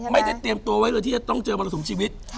เตรียมตัวไว้เลยที่จะต้องเจอมรสุมชีวิต